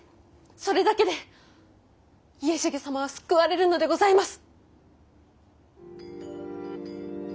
それだけで家重様は救われるのでございます！